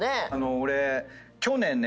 俺去年ね